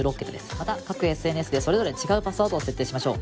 また各ＳＮＳでそれぞれ違うパスワードを設定しましょう。